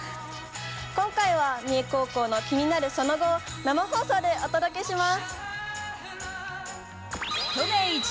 今回は三重高校の気になるその後を生放送でお届けします。